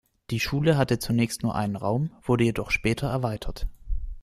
Die Schule hatte zunächst nur einen Raum, wurde jedoch später erweitert.